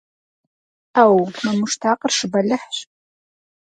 Ӏэу! Мы муштакъыр шы бэлыхьщ!